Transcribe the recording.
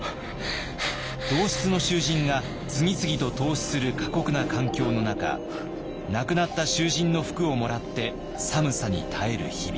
同室の囚人が次々と凍死する過酷な環境の中亡くなった囚人の服をもらって寒さに耐える日々。